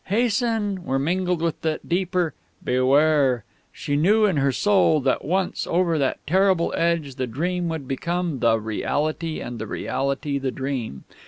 Hasten!" were mingled with that deeper "Beware!" She knew in her soul that, once over that terrible edge, the Dream would become the Reality and the Reality the Dream.